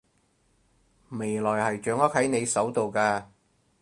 未來係掌握喺你手度㗎